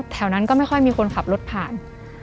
แถวนั้นก็ไม่ค่อยมีคนขับรถผ่าน